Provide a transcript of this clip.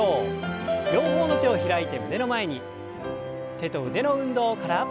手と腕の運動から。